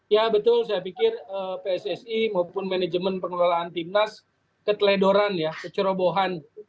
ya betul saya pikir pssi maupun manajemen pengelolaan timnas keteledoran ya kecerobohan